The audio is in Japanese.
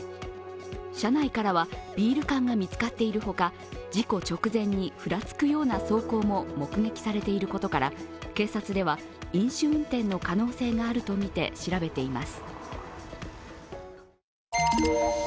車内からはビール缶が見つかっているほか事故直前にふらつくような走行も目撃されていることから警察では飲酒運転の可能性があるとみて調べています。